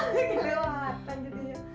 gede banget kan jadinya